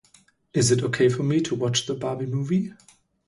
Is it ok for me to watch the Barbie movie?